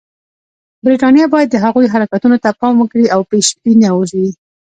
برټانیه باید د هغوی حرکتونو ته پام وکړي او پېشبینه وي.